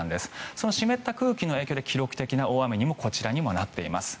その湿った空気の影響で記録的な大雨にこちらもなっています。